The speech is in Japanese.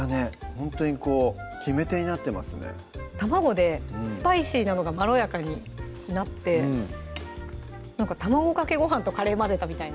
ほんとにこう決め手になってますね卵でスパイシーなのがまろやかになってなんか卵かけご飯とカレー混ぜたみたいなね